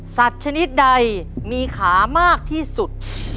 สัตว์ชนิดใดมีขามากที่สุด